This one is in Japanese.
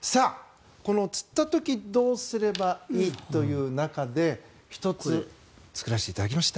つった時どうすればいいという中で１つ作らせていただきました。